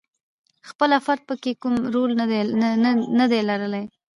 خپله فرد پکې کوم رول ندی لرلای.